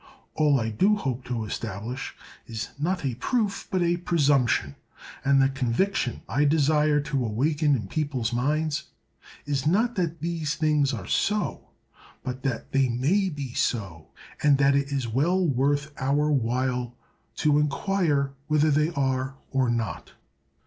All I do hope to establish is, not a proof, but a presumption; and the conviction I desire to awaken in people's minds is, not that these things are so, but that they may be so, and that it is well worth our while to inquire whether they are or not.